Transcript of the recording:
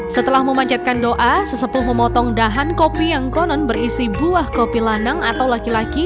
setelah memanjatkan doa sesepuh memotong dahan kopi yang konon berisi buah kopi lanang atau laki laki